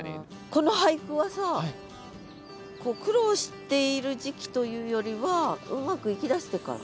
この俳句はさ苦労している時期というよりはうまくいきだしてから？